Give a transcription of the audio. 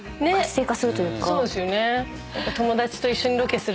そうですよね。